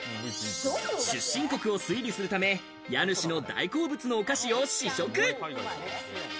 出身国を推理するため、家主の大好物のお菓子を試食。